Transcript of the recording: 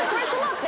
って。